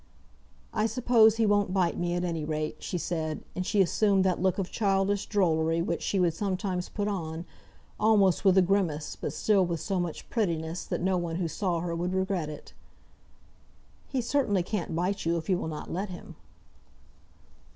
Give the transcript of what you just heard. "I suppose he won't bite me, at any rate," she said, and she assumed that look of childish drollery which she would sometimes put on, almost with a grimace, but still with so much prettiness that no one who saw her would regret it. "He certainly can't bite you, if you will not let him."